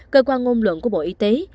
cơ quan ngôn luận của bộ y tế